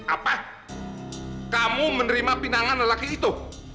apa kamu menerima pinangan lelaki itu